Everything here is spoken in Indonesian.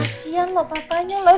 kasian loh papanya loh